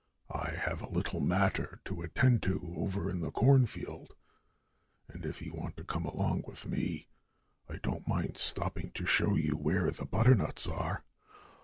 "I have a little matter to attend to over in the cornfield. And if you want to come along with me I don't mind stopping to show you where the butternuts are.